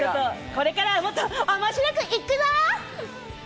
これからもっと面白く行くぞ！